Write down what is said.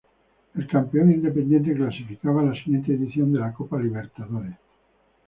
El campeón Independiente clasificaba a la siguiente edición de la Copa Libertadores.